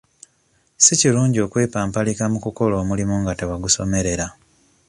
Si kirungi okwepampalika mu kukola omulimu nga tewagusomerera.